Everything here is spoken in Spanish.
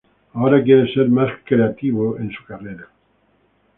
Ahora quiere "ser más creativo en su carrera".